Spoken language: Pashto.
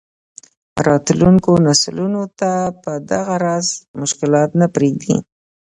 راتلونکو نسلونو ته به دغه راز مشکلات نه پرېږدي.